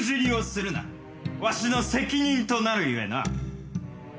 わしの責任となるゆえな。